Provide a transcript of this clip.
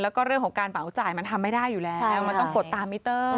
แล้วก็เรื่องของการเหมาจ่ายมันทำไม่ได้อยู่แล้วมันต้องกดตามมิเตอร์